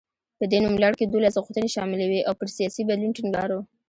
په دې نوملړ کې دولس غوښتنې شاملې وې او پر سیاسي بدلون ټینګار و.